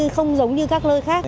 không giống như các nơi khác